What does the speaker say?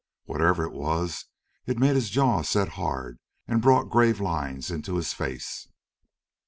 Whatever it was, it made his jaw set hard and brought grave lines into his face.